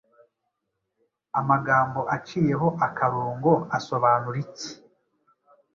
Amagambo aciyeho akarongo asobanura iki